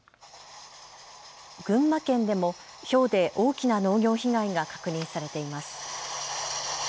群馬県でもひょうで大きな農業被害が確認されています。